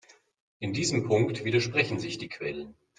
In diesem Punkt widersprechen sich die Quellen.